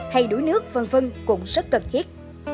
hay đuổi nước v v cũng rất cần thiết